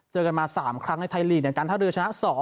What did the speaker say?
เจอกันมา๓ครั้งในไทยลีกการท่าเรือชนะ๒